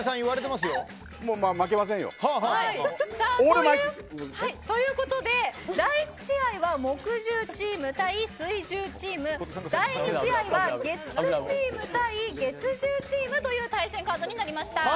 負けませんよ。ということで第１試合は木１０チーム対水１０チーム第２試合は月９チーム対月１０チームという対戦カードになりました。